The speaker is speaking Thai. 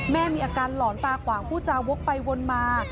มีอาการหลอนตาขวางผู้จาวกไปวนมา